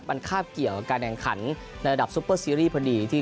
มันคาบเกี่ยวกับการแข่งขันในระดับซุปเปอร์ซีรีส์พอดี